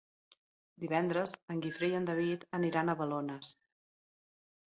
Divendres en Guifré i en David aniran a Balones.